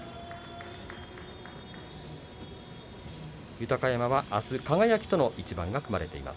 豊山は、あす輝との一番が組まれています。